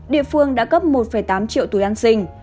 địa phương đã cấp một tám triệu túi ăn xinh